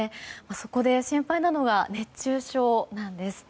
そこで、心配なのは熱中症なんです。